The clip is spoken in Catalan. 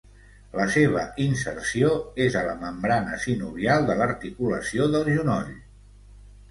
La seva inserció és a la membrana sinovial de l'articulació del genoll.